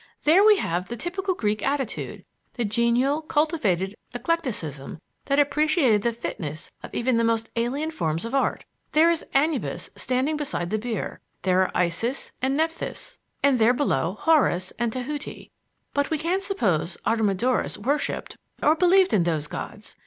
"There we have the typical Greek attitude, the genial, cultivated eclecticism that appreciated the fitness of even the most alien forms of art. There is Anubis standing beside the bier; there are Isis and Nephthys, and there below Horus and Tahuti. But we can't suppose Artemidorus worshiped or believed in those gods.